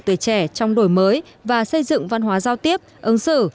tuổi trẻ trong đổi mới và xây dựng văn hóa giao tiếp ứng xử